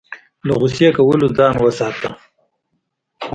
له غوسې کولو څخه ځان وساته .